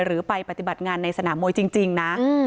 หรือไปปฏิบัติงานในสนามมวยจริงนะ